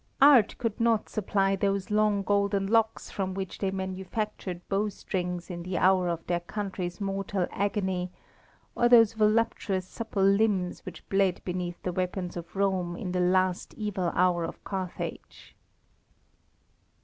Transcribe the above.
Art could not supply those long golden locks from which they manufactured bow strings in the hour of their country's mortal agony; or those voluptuous supple limbs which bled beneath the weapons of Rome in the last evil hour of Carthage.